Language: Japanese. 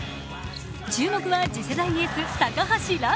注目は、次世代エース・高橋藍。